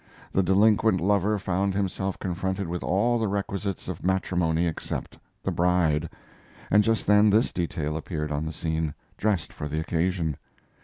The delinquent lover found himself confronted with all the requisites of matrimony except the bride, and just then this detail appeared on the scene, dressed for the occasion.